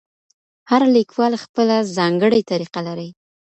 هر لیکوال خپله ځانګړې طریقه لري.